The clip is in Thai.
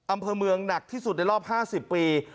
อำเภอเมืองหนักที่สุดในรอบ๕๐ปี